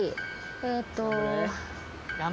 えーっと。